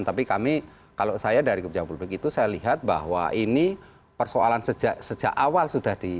tapi kami kalau saya dari kebijakan publik itu saya lihat bahwa ini persoalan sejak awal sudah di